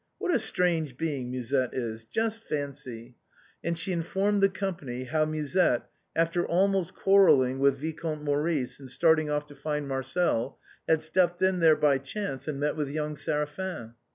What a strange being Musette is. Just fancy ..." and she informed the company how Musette, after almost quarrelling with Vicomte Maurice and start ing off to find Marcel, had stepped in there by chance and met with young Séraphin.